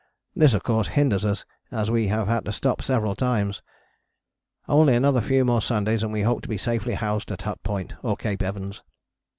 This, of course, hinders us, as we have had to stop several times. Only another few more Sundays and we hope to be safely housed at Hut Point, or Cape Evans.